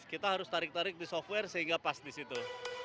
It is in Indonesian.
kita harus tarik tarik di software sehingga pas di situ